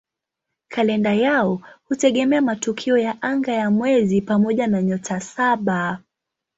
Kalenda yao hutegemea matukio ya anga ya mwezi pamoja na "Nyota Saba".